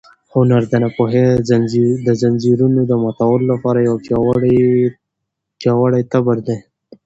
هنر د ناپوهۍ د ځنځیرونو د ماتولو لپاره یو پیاوړی تبر دی.